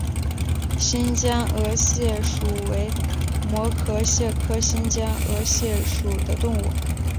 新尖额蟹属为膜壳蟹科新尖额蟹属的动物。